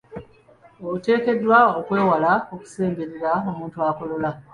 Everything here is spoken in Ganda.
Oteekeddwa okwewala okusemberera omuntu akolola.